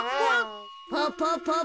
パパパパ。